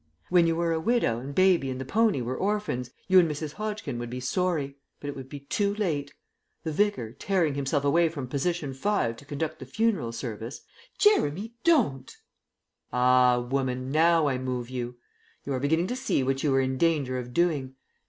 When you were a widow, and Baby and the pony were orphans, you and Mrs. Hodgkin would be sorry. But it would be too late. The Vicar, tearing himself away from Position 5 to conduct the funeral service " "Jeremy, don't!" "Ah, woman, now I move you. You are beginning to see what you were in danger of doing.